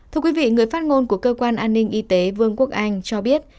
thưa quý vị người phát ngôn của cơ quan an ninh y tế vương quốc anh cho biết